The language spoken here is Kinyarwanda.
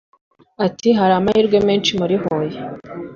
Ati “hari amahirwe menshi muri Huye